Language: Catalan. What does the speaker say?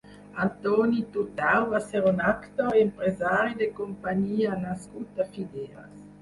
Antoni Tutau va ser un actor i empresari de companyia nascut a Figueres.